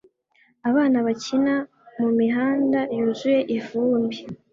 abana bakina mumihanda yuzuye ivumbi